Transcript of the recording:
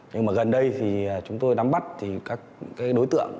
nhưng mà gần đây thì chúng tôi đắm bắt thì các đối tượng